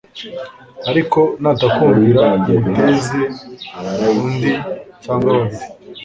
ariko natakumvira umuteze undi cyangwa babiri